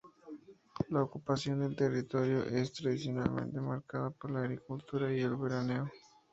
La ocupación del territorio es tradicionalmente marcada por la agricultura y el veraneo.